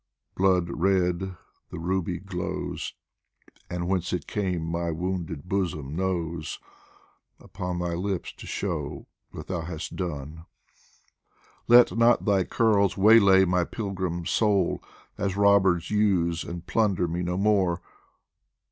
Blood red the ruby glows (And whence it came my wounded bosom knows) Upon thy lips to show what thou hast done. Let not thy curls waylay my pilgrim soul, As robbers use, and plunder me no more